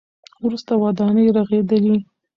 وروسته ودانۍ رغېدلې.